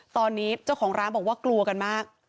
ตอนนี้เจ้าของร้านบอกว่ากลัวกันมาก